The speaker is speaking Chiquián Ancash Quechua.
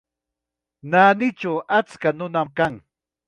Naanichaw achka nunam kan.